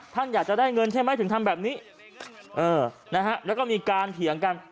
ท่านอยากจะได้เงินใช่ไหมถึงทำแบบนี้เออนะฮะแล้วก็มีการเถียงกัน